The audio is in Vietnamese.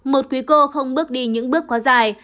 một quý cô không bước đi những bước quá dài